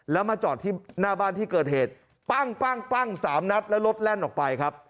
แล้วมาจอดที่หน้าบ้านที่เกิดเหตุปั้งสามนัดแล้วรถแล่นออกไปครับ